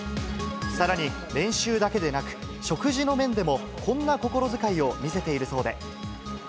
さらに、練習だけでなく、食事の面でも、こんな心遣いを見せているそうで。